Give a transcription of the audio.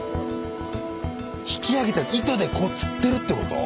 引き上げて糸でこうつってるってこと？